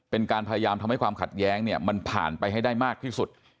เป็นการพยายามทำให้ความขัดแย้งเนี่ยมันผ่านไปให้ได้มากที่สุด